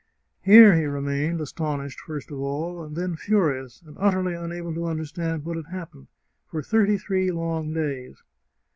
Here he remained, astonished, first of all, and then furious, and utterly unable to understand what had hap pened, for thirty three long days.